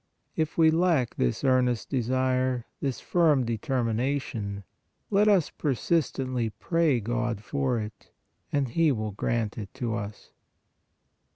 If we lack this earnest desire, this firm determination, let us persistently pray God for it, and He will grant it to us.